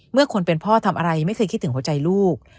คนเป็นพ่อทำอะไรไม่เคยคิดถึงหัวใจลูก